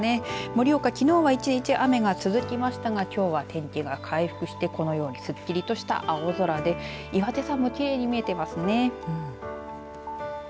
盛岡、きのうは１日雨が続きましたがきょうは天気が回復してこのようにすっきりとした青空で岩手山もきれいに見えていますね。